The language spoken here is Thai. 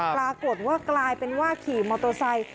ปรากฏว่ากลายเป็นว่าขี่มอโตซัย